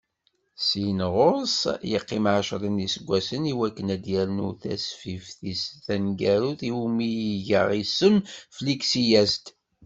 Syin ɣur-s, yeqqim ɛecra n yiseggasen, i wakken ad yernu tasfift-is taneggarut, iwumi iga isem Fliksi-as-d.